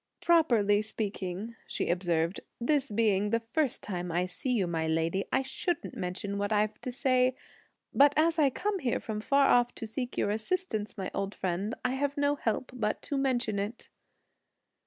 "Properly speaking," she observed, "this being the first time I see you, my lady, I shouldn't mention what I've to say, but as I come here from far off to seek your assistance, my old friend, I have no help but to mention it."